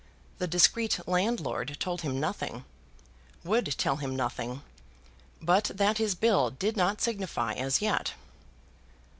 The discreet landlord told him nothing, would tell him nothing; but that his bill did not signify as yet.